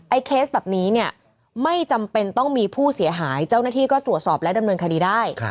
เคสแบบนี้เนี่ยไม่จำเป็นต้องมีผู้เสียหายเจ้าหน้าที่ก็ตรวจสอบและดำเนินคดีได้